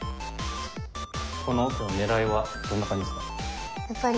この手の狙いはどんな感じですか？